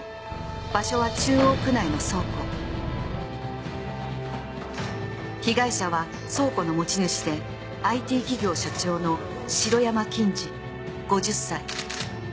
場所は中央区内の倉庫被害者は倉庫の持ち主でＩＴ企業社長の城山錦司５０歳。